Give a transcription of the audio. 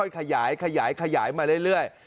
ค่อยขยายขยายมาเรื่อย